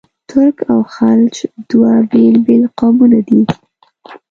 ترک او خلج دوه بېل بېل قومونه دي.